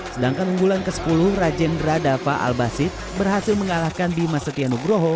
sedangkan unggulan ke sepuluh rajen radha faal basit berhasil mengalahkan bima setia nugroho